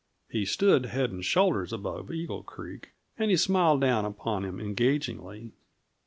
He stood head and shoulders above Eagle Creek, and he smiled down upon him engagingly.